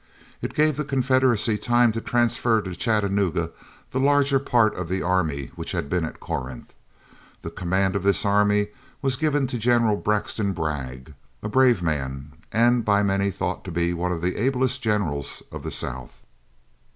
It gave the Confederacy time to transfer to Chattanooga the larger part of the army which had been at Corinth. The command of this army was given to General Braxton Bragg, a brave man, and by many thought to be one of the ablest generals of the South.